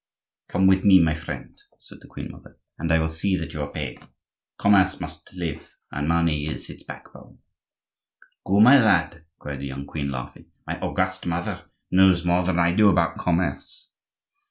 "Come with me, my friend," said the queen mother, "and I will see that you are paid. Commerce must live, and money is its backbone." "Go, my lad," cried the young queen, laughing; "my august mother knows more than I do about commerce."